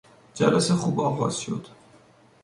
جلسه خوب آغاز شد.